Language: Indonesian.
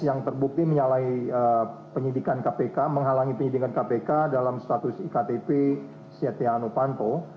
yang terbukti menyalahi penyidikan kpk menghalangi penyidikan kpk dalam status iktp setia novanto